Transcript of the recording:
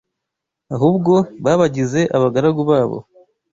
Ahubwo babagize abagaragu babo